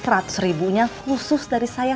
seratus ribunya khusus dari saya